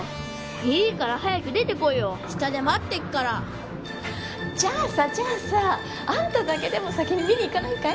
いいから早く出てこいよ下で待ってっからじゃあさあんただけでも先に見に行かないかい？